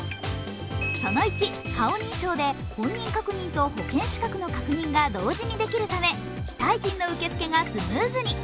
その１、顔認証で本人確認と保険資格の確認が同時にできるため非対人の受け付けがスムーズに。